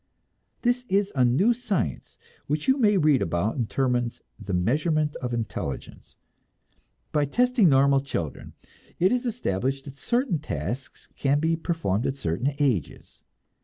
This is a new science which you may read about in Terman's "The Measurement of Intelligence." By testing normal children, it is established that certain tasks can be performed at certain ages.